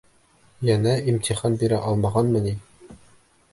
Йәнә имтихан бирә алмағанмы ни?